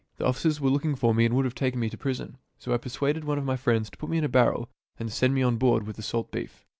The officers were looking for me and would have taken me to prison. So I persuaded one of my friends to put me in a barrel and send me on board with the salt beef.